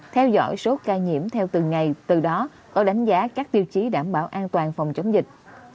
theo dõi số ca nhiễm theo từng ngày từ đó có đánh giá các tiêu chí đảm bảo an toàn phòng chống dịch